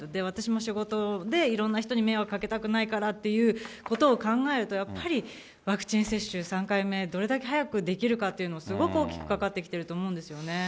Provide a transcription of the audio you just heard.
私も仕事でいろんな人に迷惑かけたくないからということを考えるとやっぱり、ワクチン接種３回目、どれだけ早くできるかっていうの、どれだけかかってきてると思うんですよね。